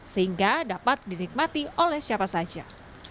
sehingga dapat dinikmati oleh siapa saja